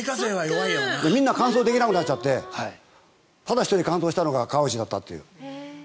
みんな完走できなくなっちゃってただ一人完走したのが川内だったという。